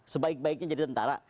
sebaik baiknya jadi tentara